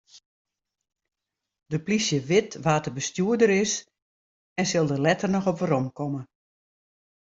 De plysje wit wa't de bestjoerder is en sil dêr letter noch op weromkomme.